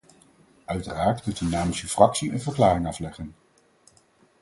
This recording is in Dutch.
Uiteraard kunt u namens uw fractie een verklaring afleggen.